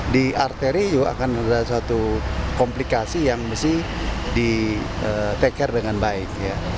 di arteri juga akan ada satu komplikasi yang mesti di take care dengan baik